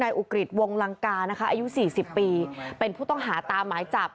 นายอุกริตวงลังกานะคะอายุสี่สิบปีเป็นผู้ต้องหาตามหมายจับ